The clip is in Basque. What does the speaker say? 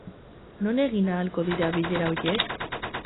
Non egin ahalko dira bilera horiek?